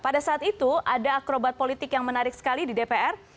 pada saat itu ada akrobat politik yang menarik sekali di dpr